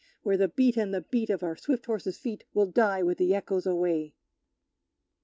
Where the beat and the beat Of our swift horses' feet Will die with the echoes away!